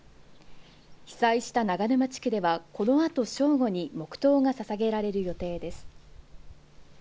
被災した長沼地区では、この後、正午に黙とうがささげられる予定です。